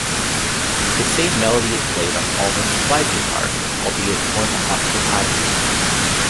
The same melody is played on Allman's slide guitar, albeit one octave higher.